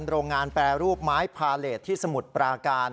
โรงงานแปรรูปไม้พาเลสที่สมุทรปราการ